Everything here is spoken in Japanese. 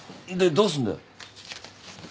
でどうすんだよ。